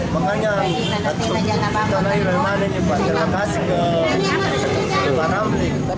makanya kita naik ke mana mana terlepas ke barang